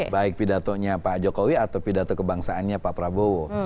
baik pidatonya pak jokowi atau pidato kebangsaannya pak prabowo